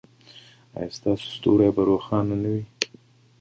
ایا ستاسو ستوری به روښانه نه وي؟